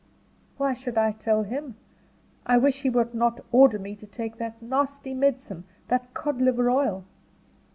Why should I tell him? I wish he would not order me to take that nasty medicine, that cod liver oil."